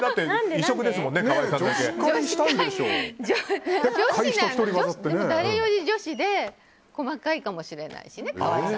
でも誰より女子で細かいかもしれないしね。